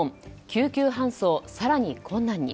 救急搬送、更に困難に。